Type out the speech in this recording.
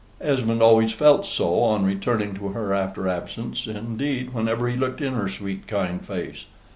Esmond always felt so on returning to her after absence, indeed whenever he looked in her sweet kind face.